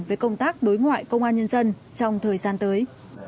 về công tác đối ngoại công an nhân dân trong thời gian tới